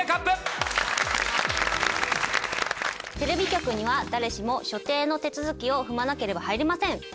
テレビ局には誰しも所定の手続きを踏まなければ入れません。